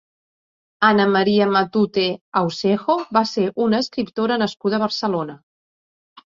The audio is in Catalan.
Ana María Matute Ausejo va ser una escriptora nascuda a Barcelona.